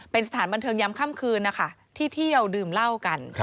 เป็นสถานบันเทิงยำค่ำคืนนะคะที่เที่ยวดื่มเหล้ากัน